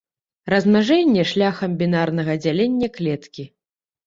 Размнажэнне шляхам бінарнага дзялення клеткі.